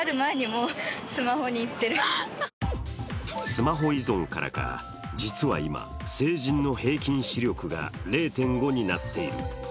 スマホ依存からか、実は今、成人の平均視力が０．５になっている。